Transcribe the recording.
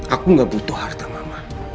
aku gak butuh harta mama